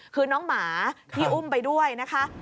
คือน้องหมาที่อุ้มไปด้วยนะคะ